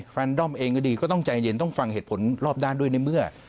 แฟนดอมเองก็ดีก็ต้องใจเย็นต้องฟังเหตุผลรอบด้านด้วยในเมื่อ